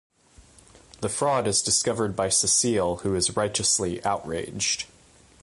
The fraud is discovered by Cecile who is righteously outraged.